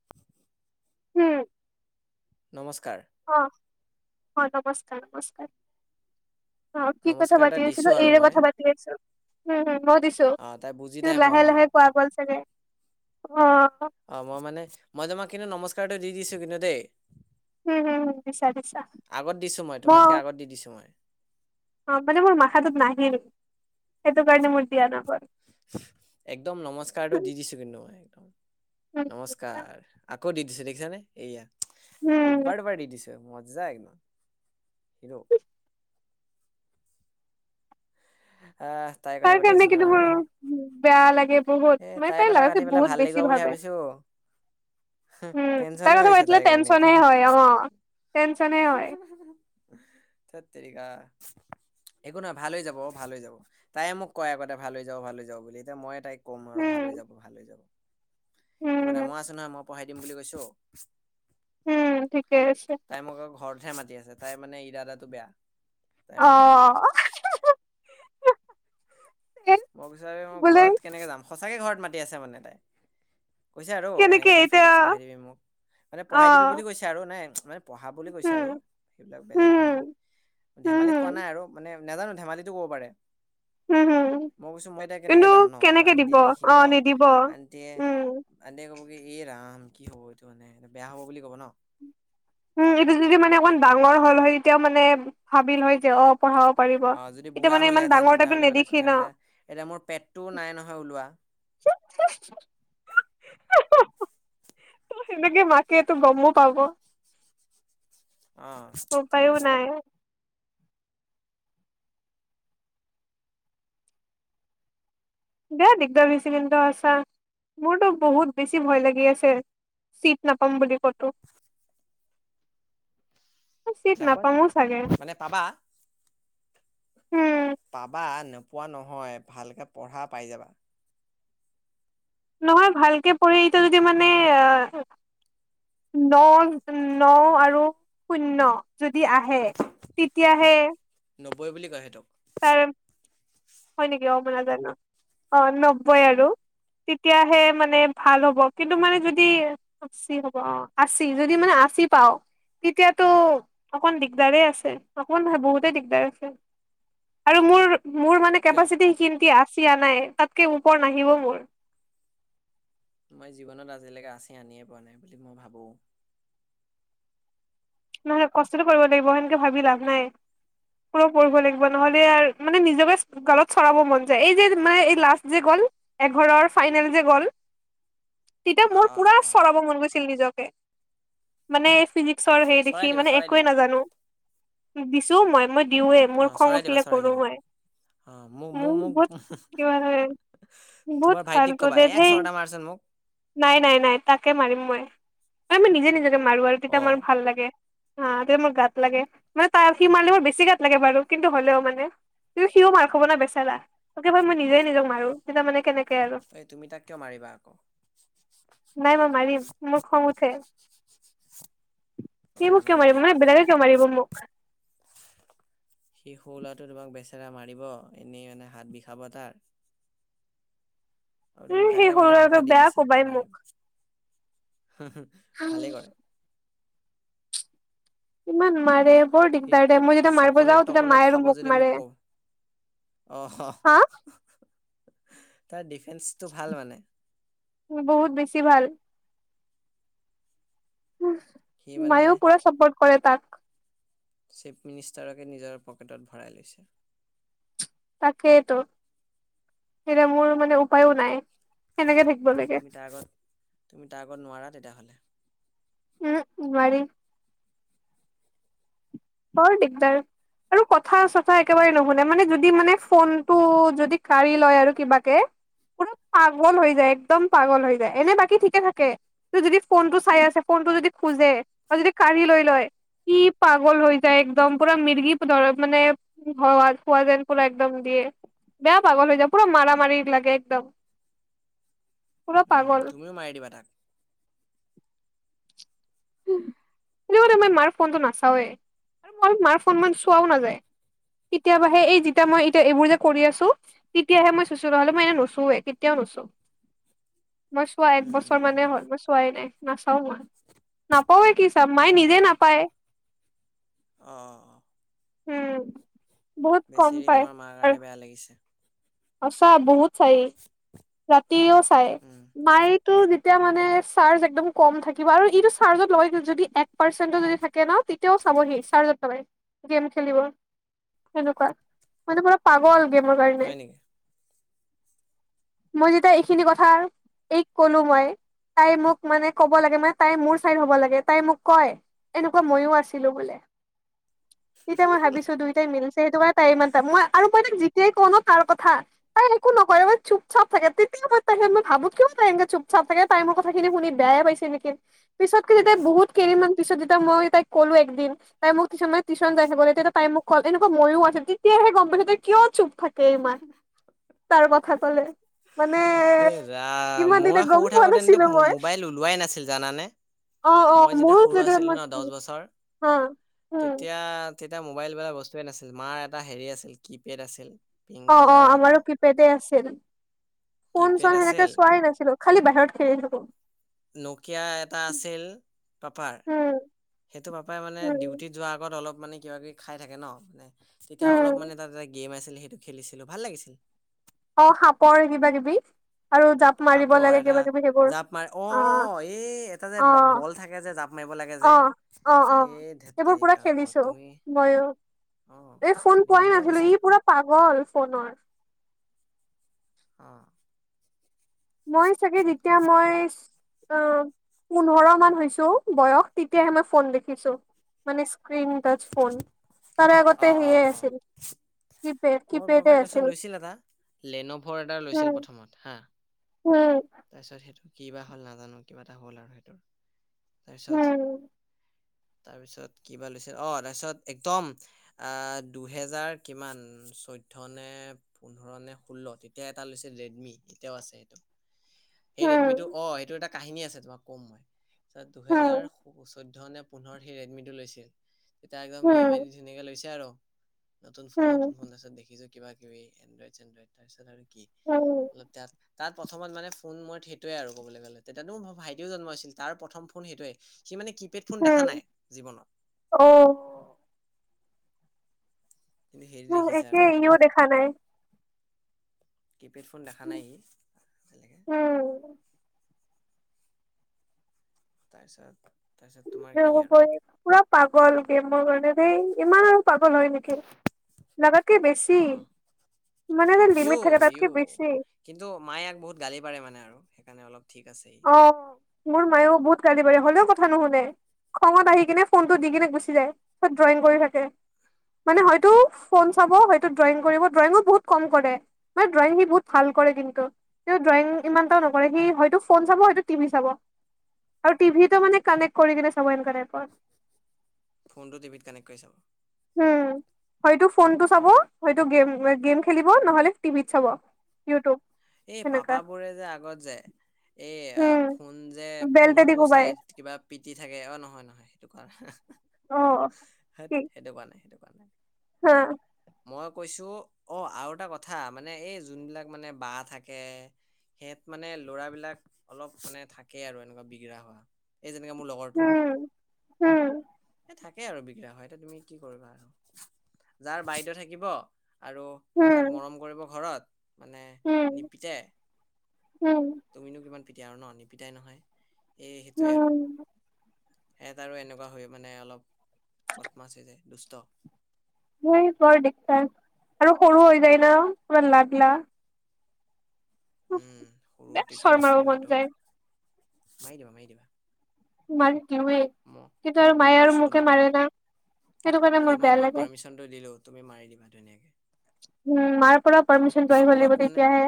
[unintelligible] উম নমস্কাৰ, অহ অ নমস্কাৰ নমস্কাৰ। অ কি কথা নমস্কাৰ এটা পাতি আছিলো, দিছোঁ আৰু এইৰে মই। কথা পাতি আছো। উম উম ময়ো দিছো অ', তাই বুজি কিন্তু নাই পোৱা লাহে অ', লাহে কোৱা গ'ল চাগে অহ। অ মই মানে মই তোমাক কিন্তু নমস্কাৰ এটা দি দিছো কিন্তু দেই। হুম হুম হুম দিছা দিছা আগত দিছো মই ম তোমাতকে আগত দি দিছো মই। অ মানে মোৰ মাথাটোত নাহিল, সেইটো কাৰণে মোৰ দিয়া নহ'ল। একদম নমস্কাৰটো দি দিছো কিন্তু মই একদম। উম নমস্কাৰ, আকৌ দি দিছো দেখিছানে এইয়া। এহ উম দুবাৰ দুবাৰ দি দিছে, মজা একদম। হেল্ল'? আ তাইৰ কথা তাৰ পাতি কাৰণে আছিলো ন' কিন্তু মোৰ আমি? বেয়া লাগে বহুত এ মানে তাইৰ তাই কথা লৰাটো পাতি পেলাই বহুত ভাল বেছি লাগিব বুলি ভাবে ভাবিছোঁ হে, টেনছনে হৈছে তাইৰ কাৰণে এতিয়া। এ অ' টেনছনে হু - হু - হু, ধেৎ তেৰিকা! একো নহয়, ভাল হৈ যাব অ' ভাল হৈ যাব। তাইয়ে মোক কয় আগতে ভাল হৈ যাব, ভাল হৈ যাব বুলি, এতিয়া মইয়ে তাইক কম আৰু ভাল হৈ উম যাব, ভাল হৈ যাব। একো নাই, উম মই আছোঁ নহয়, মই পঢ়াই দিম বুলি কৈছোঁ উম, ঠিকে আছে। তাই মোক আকৌ ঘৰতহে মাতি আছে, তাইৰ মানে ইৰাদাটো বেয়া। তাই মানে অ' হঁ - হঁ। মই বিচাৰি মই বোলে ঘৰত কেনেকে যাম। সঁচাকে ঘৰত মাতি আছে মানে তাই। কৈছে আৰু, কেনেকে এনেকে তই এতিয়া ফিজিক্স পঢ়াই দিবি মোক, মানে অ পঢ়াই দিবি বুলি কৈছে আৰু, নাই মানে পঢ়াবলে কৈছে উম আৰু, সেইবিলাক বেলেগ নহয়। উম উম ধেমালিত কোৱা হম নাই আৰু মানে নেজানো, ধেমালিতো ক'ব পাৰে। হুম, হুম। মই কৈছোঁ মই এতিয়া কেনেকে যাম ন', এতিয়া আন্টিয়ে দেখিব, অ নিদিব আন্টিয়ে উম আন্টিয়ে ক'ব কি, এ ৰাম! কি হ'ব এইটো মানে? এইটো বেয়া হ'ব, বুলি ক'ব ন'। উম, এইটো যদি মানে অকমান ডাঙৰ হ'ল হয়, তেতিয়াও মানে ভাবিল হয় যে অ' পঢ়াব পাৰিব। অ যদি এতিয়া বুঢ়া মানে ইমান হ'লেহেঁতেন ডাঙৰ টাইপৰ তেতিয়াহ'লে বেলেগ নেদেখি কথা ন' এতিয়া এতিয়া মোৰ পেটটোও নাই নহয় ওলোৱা। [inaudible] হঁ - হঁ, অ' সেনেকে মাকে তো গমো পাব। অ উপায়ো ধেৎ অলপ নাই। বেয়া দিগদাৰ দিছে কিন্তু সঁচা। মোৰতো বহুত বেছি ভয় লাগি আছে। চিট নাপাম বুলি ক'তো। চিট নাপা নাপামো চাগে [inaudible] মানে পাবা উম পাবা, নোপোৱা নহয়। ভালকে পঢ়া, পাই যাবা। নহয়, ভালকে পঢ়ি এইটো যদি মানে আহ ন ন আৰু শূন্য যদি আহে, তেতিয়াহে নব্বৈ বুলি কয় সেইটোক। তাৰ- হয় নেকি? অ' মই নাজানো। অ' নব্বৈ আৰু, তেতিয়াহে মানে ভাল হ'ব। কিন্তু মানে যদি আশী হ'ব অ' আশী, যদি মানে আশী পাওঁ তেতিয়াতো অকণ দিগদাৰে আছে, অকমান নহয় বহুতে দিগদাৰ আছে। আৰু মোৰ- মোৰ মানে কিয় কেপাচিটি সিখিনটি আশী আনায়ে, তাতকে ওপৰ নাহিব মোৰ। মই জীৱনত আজিলৈকে আশী আনিয়ে পোৱা নাই বুলি মই ভাবোঁ। নহয়, কষ্টটো কৰিব লাগিব, সেনকে ভাবি লাভ নাই। পুৰা পঢ়িব লাগিব, নহলে আৰ মানে নিজকে গালত চৰাব মন যায়, এই যে মানে এই লাষ্ট যে গ'ল এঘৰৰ ফাইনেল যে গ'ল তেতিয়া অ মোৰ অ পুৰা অ অ চৰাব মন গৈছিল নিজকে, মানে ফিজিক চৰাই দিবা, চৰাই দিবা। জানো। দিছোঁ মই, মই দিওঁৱে অ মোৰ খং চৰাই দিবা উঠিলে চৰাই কৰোঁ দিবা মই। অ মোক মোক মোৰ বহুত মোক কিবা [inaudible] বহুত তোমাৰ ভাইটিক ফালতু ক'বা দে এক ধেই। চৰ্দা মাৰচোন মোক নাই নাই নাই তাকে মাৰিম মই, এ মই নিজে নিজকে মাৰো আৰু অ তেতিয়া মোৰ ভাল লাগে। অ তেতিয়া মোৰ গাত লাগে, মানে তাৰ সি মাৰিলে মোৰ বেছি গাত - লাগে বাৰু কিন্তু হ'লেও মানে কিন্তু সিও মাৰ খাব না বেচাৰা তাৰবাবে মই নিজেই নিজক মাৰো। সেই তাৰ মানে কেনেকে আৰু? এই তুমি তাক কিয় মাৰিবা আকৌ নাই মই মাৰিম মোৰ খং উঠে। সি ঐ মোক কিয় নামাৰিবা মাৰিব, দেই মানে সৰু বেলেগে ল'ৰাটো কিয় মাৰিব মোক? সি সৰু ল'ৰাটোৱে তোমাক বেচেৰা মাৰিব এনেই মানে হাত বিষাব তাৰ। আৰু তুমি উম সেই তাকে সৰু ল'ৰাটো ঢোষা দি বেয়া দিছা কোবাই মোক মাৰিম। অ। ভালেই কৰে ইমান মাৰে বৰ সি দিগদাৰ দেই, মই যেতিয়া মাৰিব চকলেট যাওঁ তেতিয়া টকলেট মায় আৰু খাব যদি মোক মাৰে। কওঁ অ হা তাৰ ডিফেন্সটো ভাল মানে। বহুত বেছি ভাল। উ সি মানে মায়েও পুৰা চাপোৰ্ট কৰে তাক। চিফ মিনিষ্টাৰকে নিজৰ পকেটত ভৰাই লৈছে। তাকেইতো, এতিয়া মোৰ মানে উপায়ো নাই। সেনেকে থাকিব লাগে তুমি তাৰ আগত, তুমি তাৰ আগত নোৱাৰা তেতিয়া হ'লে? উহু নোৱাৰি। বৰ দিগদাৰ। আৰু কথা-চথা একেবাৰে নুশুনে মানে যদি মানে ফোনটো যদি কা়ৰি লয় আৰু কিবাকে - পুৰা পাগল হৈ যায় একদম পাগল হৈ যায় এনেই বাকী ঠিকেই থাকে। যদি ফোনটো চাই আছে ফোনটো যদি খোজে বা যদি কাঢ়ি লৈ লয় কি পাগল হৈ - যায়, একদম পুৰা মিৰ্গি ধৰা মান হোৱা হোৱা যেন পুৰা একদম দিয়ে। বেয়া পাগল হৈ যায় পুৰা মাৰ মাৰি লাগে একদম। পুৰা উম, পাগল তুমিও মাৰি দিবা তাক। উম, সেইটো কাৰণে মই মাৰ ফোনটো নাচাওৱে, আৰু মই মাৰ ফোন ইমান চোৱাও নাযায়। কেতিয়াবা হে এই যেতিয়া মই এতিয়া এইবোৰ যে কৰি আছো - তেতিয়াহে মই ছুইছো নহ'লে মই এনেই নোছোৱে কেতিয়াও নোছোও। [unintelligible] মই চোৱা উম উম একবছৰ উম মানে হ'ল মই চোৱাই নাই নাচাও মই। নাপাওৱে কি চাম মায়ে নিজেই নাপায়। অঁ অঁ অঁ, উম বহুত কম বেছেৰি পায় তোমাৰ মাৰ আৰু কাৰণে বেয়া লাগিছে। সঁচা বহুত চাই ই, ৰাতিও চাই উম মায় টো যেতিয়া মানে চাৰ্জ একদম কম থাকিব আৰু ইটো চাৰ্জত লগাই যদি এক পাৰ্চেণ্টটো যদি থা কে ন তেতিয়াও চাব সি চাৰ্জত লগাই, গেম খেলিব, সেনেকুৱা। মানে পুৰা পাগল গেমৰ কাৰণে। হয় নেকি মই যেতিয়া এইখিনি কথা এইক ক'লো মই - তাই মোক মানে ক'ব লাগে মানে তাই মোৰ চাইড হব লাগে তাই মোক কয় - এনেকুৱা মইও আছিলো বোলে, তেতিয়া মই ভাবিছো দুইটাই মিলিছে সেইটো কাৰণে - তাই ইমানটা, মই আৰু মই তাক যেতিয়াই কওঁ ন তাৰ কথা তাই একো নকয় এ চুপ - চাপ থাকে, তেতিয়াই মই তাকে ম‌ই ভাবো কিয় এনেকে চুপ-চাপ থাকে তাই মোৰ কথা খিনি শুনি বেয়াই পাইছে নেকি? পিছতকে যেতিয়া বহুত কেদিনমান পিছত যেতিয়া মই তাই ক'লো একদিন - তাই মোক পিছলে টেউচন যায় থবলে তেতিয়া তাই মোক কল এনেকুৱ ময়ো আছিলো, তেতিয়াহে গম পাইছো তাই কিয় চুপ থা কে ইমান, তাৰ কথা কলে। মানে এ ৰাম ইমান দিনে মই গম সৰু পোৱা থাকো তেন্তে নাছিলো মো মই মোবাইল ওলোৱাই নাছিল জানানে? অ অ মই যেতিয়া মোৰো সৰু তেতিয়া আছিলো মই ন দহ বছৰ হা উম তেতিয়া- তেতিয়া মোবাইল বোলা বস্তুয়ে নাছিল মাৰ এটা হেৰি আছিল কিপেড আছিল। পিংক অঁ অঁ কালাৰৰ এটা আমাৰো কিপেডে আছিল। ফোন কিপেড চোন সেনেকে আছিল চোৱাই নাছিলো খালি বাহিৰত খেলি থাকো। নকিয়া এটা আছিল পাপাৰ- উম সেইটো পাপাই মানে উম ডিউটিত যোৱাৰ আগত অলপ মানে কিবা কিবি খাই থাকে ন মানে- তেতিয়া অলপ উম মানে তাত এটা গেম আছিল সেইটো খেলিছিলো ভাল লাগিছিল। অঁ সাপৰ কিবা কিবি আৰু জাপ- মাৰিব সাপৰ লাগে এটা কিবা কিবি সেইবোৰ জাপ মাৰ অঁ অ অঁ এই এটা যে অ বল থাকে যে জাপ মাৰিব লাগে যে। অ অ এ ধেত তেৰিকা আকৌ তুমি- মইও অ এই ফোন পোৱাই ডেঞ্জাৰ নাছিলো আছা ই পুৰা পাগল ফোনৰ। অঁ। মই চাগে তেতিয়া মই- অঁ পোন্ধৰ মান হৈছোঁ বয়স তেতিয়াহে মই ফোন দেখিছোঁ। মানে স্ক্ৰিন টাচ ফোন তাৰে অ আগতে অ সেয়ে অ আছিল। কিপেড মোৰ কিপেডে পাপাই আছিল। তাৰপিছত লৈছিল এটা লেন'ভৰ এটা লৈছিল প্ৰথমত হা উমঁ! তাৰপিছত সেইটো কি বা হল নাজানো কিবা এটা হ'ল সেইটোৰ তাৰপিছ- উম, তাৰপিছত কিবা লৈছে অঁ তাৰপিছত একদম- আ দুহেজাৰ কিমান- চৈধ্য নে পোন্ধৰ নে ষোল্ল তেতিয়া এটা লৈছে ৰেডমি এতিয়াও আছে সেইটো। এই উম, উম, ৰেডমি টো অঁ এইটো এটা কাহিনী আছে তোমাক ক'ম মই তাৰপিছত দুহেজাৰ- চৈধ্য নে পোন্ধৰ সেই ৰেডমি টো লৈছিল তেতিয়া একদম ইয়ে এম আই উম, দি ধুনীয়াকে লৈছে আৰু। নতুন ফোন উম, নতুন ফোনাৰাছত দেখিছো কিবা কিবি এনড্ৰইড চেনড্ৰইড তাৰপিছত আৰু কি- [unintelligible] তাত- তাত প্ৰথমত মানে ফোন মই সেইটোৱে আৰু ক'বলৈ গ'লে তেতিয়াতো মোৰ ভাইটিও জন্ম হৈছিল তাৰ প্ৰথম ফোন সেইটোৱে। সি মানে কি পেড ফোন দেখা নাই জীৱনত। অঁ - কিন্তু হেৰি উমঁ দেখিছে আৰু একে সেইটো ইও দেখা নাই। কিপেড ফোন দেখা নাই ই আজিলৈকে। উম, তাৰপিছত তাৰপিছত। তোমাৰ কি ইয়াৰ আৰু উপৰিও পুৰা পাগল গেমৰ কাৰণে সেই ইমান আৰু পাগল হয়ঁ নেকি? লগাতকে বেছি অ মানে যে ইউ লিমিট থাকে ইউ তাতকে বছি। কিন্তু মায়ে ইয়াক বহুত গালি পাৰে মানে আৰু সেইকাৰণে অলপ ঠিক আছে সি। অঁ মোৰ মায়েও বহুত কালি পাৰে হ'লেও কথা নুশুনে। খঙত আহি কিনে ফোনটো দি কিনে গুছি যায় পিছত ড্ৰয়িং কৰি থাকে। মানে হয়তো ফোন চাব হয়তো ড্ৰয়িং কৰিব ড্ৰয়িঙো বহুত কম কৰে। মানে ড্ৰয়িং সি বহুত ভাল কৰে কিন্তু তেওঁ ড্ৰয়িং ইমানটা নকৰে সি হয়তো। ফোন চাব হয়তো টিভি চাব আৰু টিভিটো মানে কানেক্ট কৰিকিনে চাব সেনেকুৱা টাইপৰ। ফোনটো টভিত কানেক্ট কৰি চাব। উমঁ হয়টো ফোনটো চাব হয়তো গেম গেম খেলিব নহ'লে - টিভিত চাব ইউটিউব। এই সেনেকা পাপাবোৰে যে আগত যে এই উম ফোন যে বেলতেদি ফোনটো কোবাই চাই। কিবা পিটি থাকে অঁ নহয় নহয় সেইটো কোৱা নাই। অ সেইট সেইটো কোৱা নাই, সেইটো কোৱা নাই। অঁ। মই কৈছোঁ অ আৰু এটা কথা মানে এই যোনবিলাক মানে বা থাকে। সেয়াত মানে ল'ৰাবিলাক অলপ মানে থাকে আৰু এনেকুৱা বিগৰা হোৱা। এই যেনেকে মোৰ লগৰটো। উম উম এ থাকে আৰু বিগৰা হোৱা। এতিয়া তুমি কি কৰিবা আৰু যাৰ বা থাকিব আৰু উম তাক মৰম কৰিব ঘৰত মানে উম, নিপিতে। উম। তুমিনো কিমান পিটা আৰু ন'? নিপিটাই নহয়, এই সেইটোৱে আৰু। উম, সেহঁত আৰু এনেকুৱা হয় মানে অলপ বতমাছ হৈ যায় দুষ্ট। সেই বৰ দিগদাৰ আৰু সৰু হৈ যায় ন'? পুৰা লাদলা। উম সৰু বেয়া চৰ টিকলো মাৰিব মিকলো মন একদম যায় মাৰি দিবা মাৰি দিবা। মাৰি দিওঁৱে, ম কিন্তু আৰু মই মায়ে আৰু কৈছো মোকে তোমাক মাৰে না, সেইটো কাৰণে মোৰ বেয়া লাগে। চনটো দিলোঁ তুমি মাৰি দিবা ধুনীয়াকে। উম মাৰ পৰাও পাৰ্মিচনটো তোমাক আহিব কবা লাগিব কোনে তেতিয়াহে।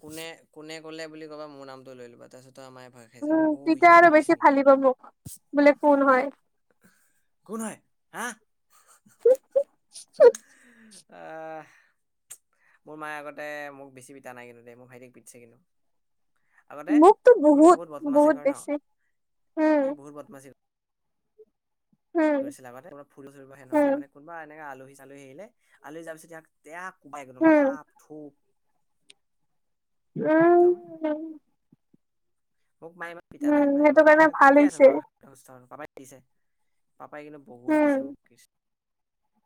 কোনে কোনে ক'লে বুলি ক'বা, মোৰ নামটো লৈ ল'বা। তাৰপিছত তোমাৰ মায়ে ভয় খায় উম তেতিয়া আৰু বেছি ফালিব মোক। বোলে কোন হয় কোন হয় হাঁ। আহ। মোৰ মায়ে আগতে মোক বেছি পিটা নাই কিন্তু দেই মোৰ ভাইটিক পিটিছে কিন্তু। আগতে ই মানে বহুত বতমাছী কৰে ন', ই উম, বহুত বতমাছী উম, কৰিছিলে আগতে ক'ৰবাত ফুৰিব চুৰিব আহে নহ'লে উম, মানে কোনোবা এনেকে আলহী চালহী আহিলে আলহী যোৱা পিছত ইয়াক বেয়া কোবাই একদম উম, থাপ থোপ। উম। একদম। উম। মোক মায়ে ইমান পিটা নাই। উম, মায়ে সেইটো মানে কাৰণে ভাল ঠিকে আছে হৈছে ন'। পাপাই দিছে। পাপাই কিন্তু বহুত উম, দিছে মোক কৃচ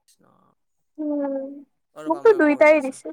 কৃষ্ণ, উম, অ ৰ'বা মোকতো মই আকৌ কৰি দুইটাই আছোঁ। দিছে।